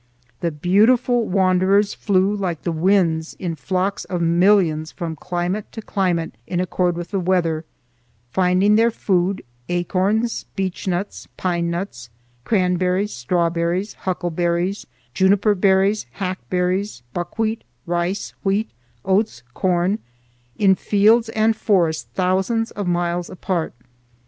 The beautiful wanderers flew like the winds in flocks of millions from climate to climate in accord with the weather, finding their food—acorns, beechnuts, pine nuts, cranberries, strawberries, huckleberries, juniper berries, hackberries, buckwheat, rice, wheat, oats, corn—in fields and forests thousands of miles apart.